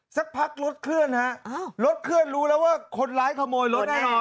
สักพักรถเคลื่อนฮะรถเคลื่อนรู้แล้วว่าคนร้ายขโมยรถแน่นอน